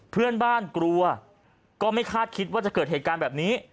เพื่อนบ้านกลัวก็ไม่คาดคิดว่าจะเกิดเหตุการณ์แบบนี้